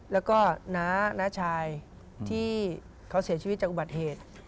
แล้วก็น้าชายที่เขาเสียชีวิตจากอุบัติเหตุ